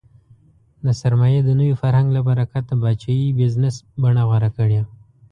د سرمایې د نوي فرهنګ له برکته پاچاهۍ بزنس بڼه غوره کړې.